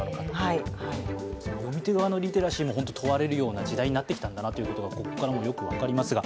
読み手側のリテラシーが問われる時代になってきたんだなとここからもよく分かりますが。